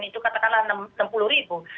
itu katakanlah enam puluh ribu